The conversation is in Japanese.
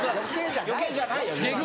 余計じゃないよ全然。